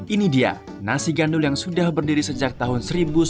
ini dia nasi gandul yang sudah berdiri sejak tahun seribu sembilan ratus sembilan puluh